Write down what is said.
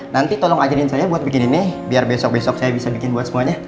nanti tolong ajarin saya buat bikin ini biar besok besok saya bisa bikin buat semuanya